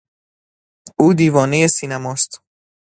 او دیوانهی سینما است.